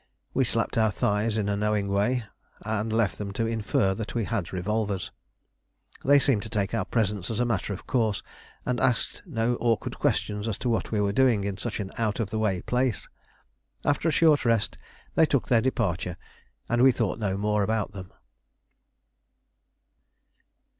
We slapped our thighs in a knowing way, and left them to infer that we had revolvers. They seemed to take our presence as a matter of course, and asked no awkward questions as to what we were doing in such an out of the way place. After a short rest they took their departure, and we thought no more about them.